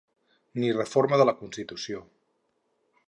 Ni reforma de la constitució.